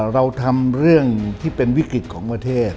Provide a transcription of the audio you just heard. เราทำเรื่องที่เป็นวิกฤตของประเทศ